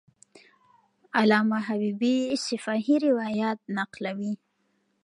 علامه حبیبي شفاهي روایت نقلوي.